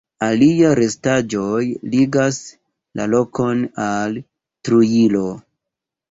Alia restaĵoj ligas la lokon al Trujillo.